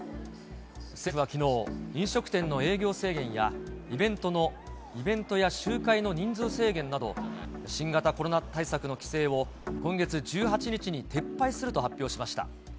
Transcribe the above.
政府はきのう、飲食店の営業制限やイベントや集会の人数制限など、新型コロナ対策の規制を今月１８日に撤廃すると発表しました。